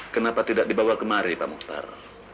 kenapa tidak dibawa kemari pak mukhtar